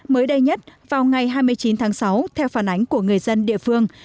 mới đây nhất vào ngày hai mươi chín tháng sáu theo phản ánh của người dân địa phương